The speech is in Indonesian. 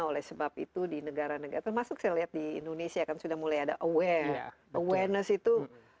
oleh sebab itu di negara negara termasuk saya lihat di indonesia kan sudah mulai ada aware awareness itu